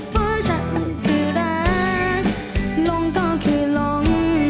เพราะฉันคือรักลงก็คือลง